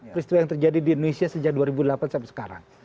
peristiwa yang terjadi di indonesia sejak dua ribu delapan sampai sekarang